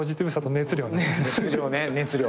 熱量ね熱量。